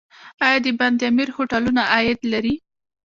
آیا د بند امیر هوټلونه عاید لري؟